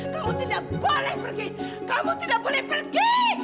kamu tidak boleh pergi kamu tidak boleh pergi